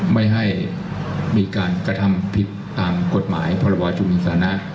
ไม่ให้มีการกระทำผิดตามกฎหมายพรบชุมนุมสถานะ